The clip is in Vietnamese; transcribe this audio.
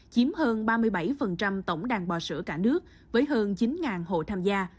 chiếm hơn ba mươi bảy tổng đàn bò sữa cả nước với hơn chín hộ tham gia